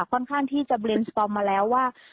ค่อนข้างที่จะมาแล้วว่า